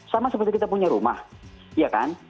sama seperti kita punya rumah ya kan